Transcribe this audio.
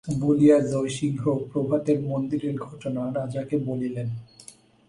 বলিয়া জয়সিংহ প্রভাতের মন্দিরের ঘটনা রাজাকে বলিলেন।